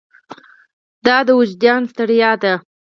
دا د وجدان ستړیا ده.